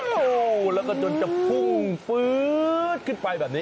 โอ้โหแล้วก็จนจะพุ่งฟื๊ดขึ้นไปแบบนี้